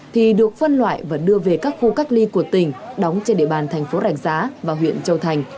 thì được phân loại và đưa về các khu cách ly của tỉnh đóng trên địa bàn thành phố rạch giá và huyện châu thành